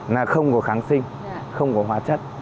là không có kháng sinh không có hóa chất